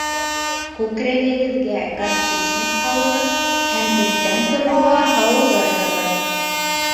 Күкрәгегеҙгә горчичник һалығыҙ һәм иртән тороуға һауығырһығыҙ